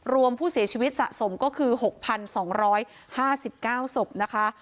รวมผู้เสียชีวิตสะสมก็คือ๖๒๕๙ศพนะคะ